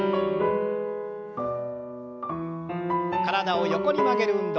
体を横に曲げる運動。